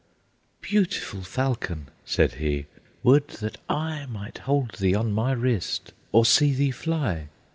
"Beautiful falcon!" said he, "would that I Might hold thee on my wrist, or see thee fly!"